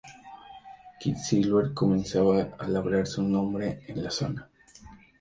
Quiksilver comenzaba a labrarse un nombre en la zona.